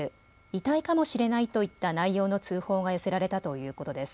遺体かもしれないといった内容の通報が寄せられたということです。